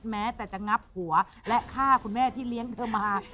แม้แต่จะงับหัวและฆ่าคุณแม่ที่เลี้ยงเธอมา